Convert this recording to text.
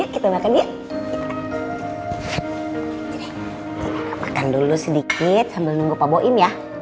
kita makan dulu sedikit sambil nunggu pak boim ya